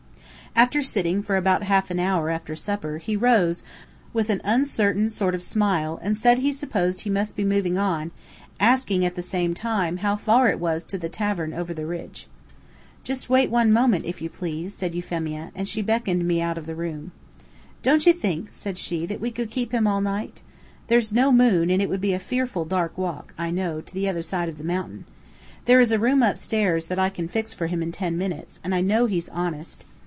After sitting for about half an hour after supper, he rose, with an uncertain sort of smile, and said he supposed he must be moving on, asking, at the same time, how far it was to the tavern over the ridge. "Just wait one moment, if you please," said Euphemia. And she beckoned me out of the room. "Don't you think," said she, "that we could keep him all night? There's no moon, and it would be a fearful dark walk, I know, to the other side of the mountain. There is a room upstairs that I can fix for him in ten minutes, and I know he's honest."